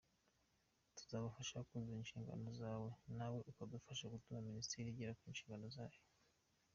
Tuzabafasha kuzuza inshingano zawe nawe udufashe gutuma Minisiteri igera ku nshingano zayo.